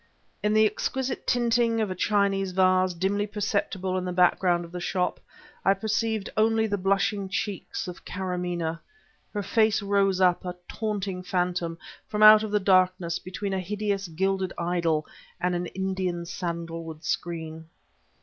In the exquisite tinting of a Chinese vase dimly perceptible in the background of the shop, I perceived only the blushing cheeks of Karamaneh; her face rose up, a taunting phantom, from out of the darkness between a hideous, gilded idol and an Indian sandalwood screen.